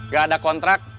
gak ada kontrak